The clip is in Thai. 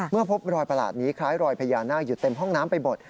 พบรอยประหลาดนี้คล้ายรอยพญานาคอยู่เต็มห้องน้ำไปหมด